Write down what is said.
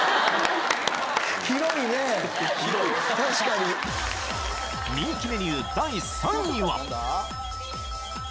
確かに人気メニュー第３位は？